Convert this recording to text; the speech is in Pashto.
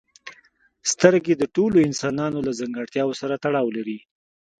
سترګې د ټولو انسانانو له ځانګړتیاوو سره تړاو لري.